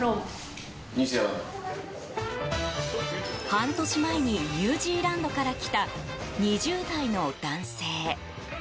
半年前にニュージーランドから来た２０代の男性。